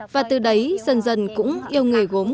và từ đấy dần dần cũng yêu nghề gốm